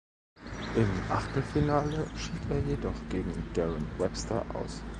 Im Achtelfinale schied er jedoch gegen Darren Webster aus.